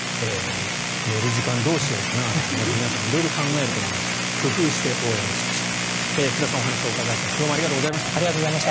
寝る時間、どうしようかなとか皆さん色々考えると思いますが工夫して応援しましょう。